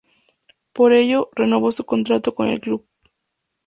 Por ello, renovó su contrato con el club.